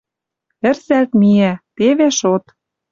Ӹрзӓлт миӓ... Теве шот.